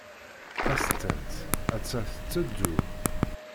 Tasestant atta tetteddu.